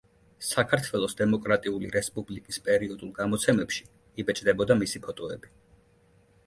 საქართველოს დემოკრატიული რესპუბლიკის პერიოდულ გამოცემებში იბეჭდებოდა მისი ფოტოები.